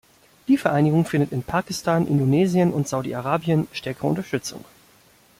Die Vereinigung findet in Pakistan, Indonesien und Saudi-Arabien stärkere Unterstützung.